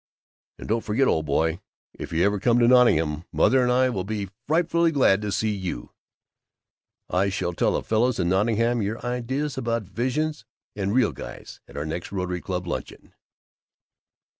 "And don't forget, old boy, if you ever come to Nottingham, Mother and I will be frightfully glad to see you. I shall tell the fellows in Nottingham your ideas about Visions and Real Guys at our next Rotary Club luncheon."